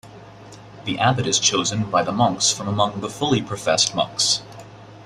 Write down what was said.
The abbot is chosen by the monks from among the fully professed monks.